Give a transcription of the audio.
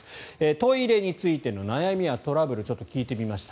トイレについての悩みやトラブルちょっと聞いてみました。